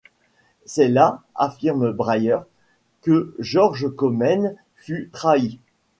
C'est là, affirme Bryer, que Georges Comnène fut trahi.